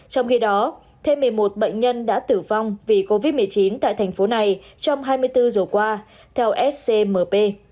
trong khi đó thêm một mươi một bệnh nhân đã tử vong vì covid một mươi chín tại thành phố này trong hai mươi bốn giờ qua theo scmp